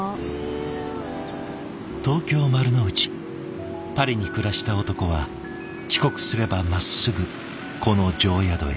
東京・丸の内パリに暮らした男は帰国すればまっすぐこの定宿へ。